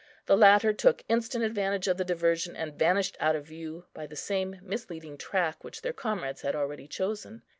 The latter took instant advantage of the diversion, and vanished out of view by the same misleading track which their comrades had already chosen.